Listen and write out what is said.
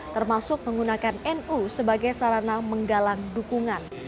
termasuk menggunakan nu sebagai sarana menggalang dukungan